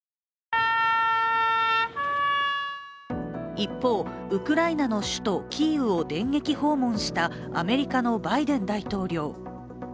一方、ウクライナの首都キーウを電撃訪問したアメリカのバイデン大統領。